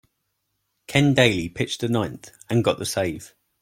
Ken Dayley pitched the ninth and got the save.